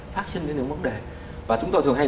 phát sinh ra những vấn đề và chúng tôi thường hay